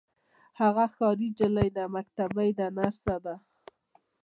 هغه ښاري نجلۍ ده مکتبۍ ده نرسه ده.